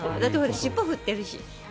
尻尾を振ってるし。